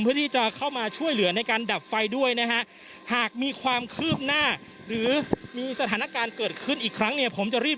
เพื่อที่จะเข้ามาช่วยเหลือในการดับไฟด้วยนะฮะหากมีความคืบหน้าหรือมีสถานการณ์เกิดขึ้นอีกครั้งเนี่ยผมจะรีบ